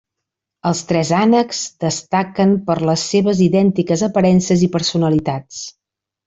Els tres ànecs destaquen per les seves idèntiques aparences i personalitats.